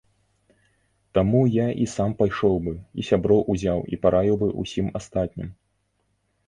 Таму я і сам пайшоў бы, і сяброў узяў і параіў бы ўсім астатнім.